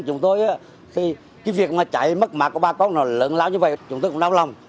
chúng tôi thì cái việc mà cháy mất mạng của ba cốc nó lớn lão như vậy chúng tôi cũng đau lòng